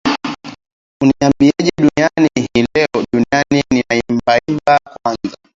unaiambiaje dunia hii leo dunia ninaiambia kwanza